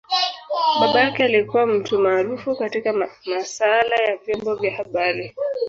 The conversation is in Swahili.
Baba yake alikua mtu maarufu katika masaala ya vyombo vya habari.